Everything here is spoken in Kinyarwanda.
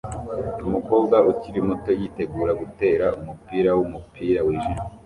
Umukobwa ukiri muto yitegura gutera umupira wumupira wijimye